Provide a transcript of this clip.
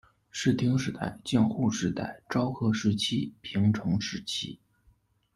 室町时代江户时代昭和时期平成时期